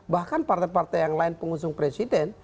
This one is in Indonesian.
bahkan partai partai yang lain pengusung presiden